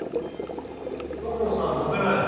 土門さん食べないの？